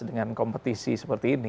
dengan kompetisi seperti ini